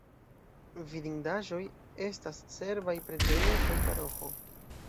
Vidindaĵoj estas serbaj preĝejo kaj paroĥo.